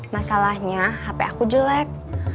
masalahnya hp aku jelek